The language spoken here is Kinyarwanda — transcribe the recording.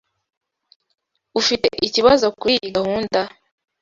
Ufite ikibazo kuriyi gahunda?